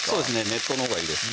熱湯のほうがいいです